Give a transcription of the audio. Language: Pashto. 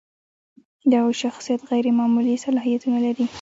د هغوی شخصیت غیر معمولي صلاحیتونه لري.